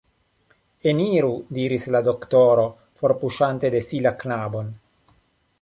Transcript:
Eniru! diris la doktoro, forpuŝante de si la knabon.